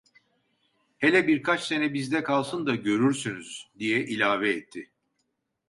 "Hele birkaç sene bizde kalsın da görürsünüz" diye ilave etti.